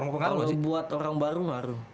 kalau buat orang baru ngaruh